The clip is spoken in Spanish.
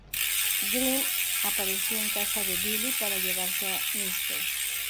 Grim apareció en casa de Billy para llevarse a Mr.